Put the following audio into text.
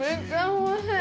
おいしい？